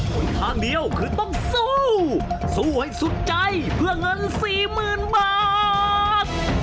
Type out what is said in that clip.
คนทางเดียวคือต้องสู้สู้ให้สุดใจเพื่องั้น๔๐บาท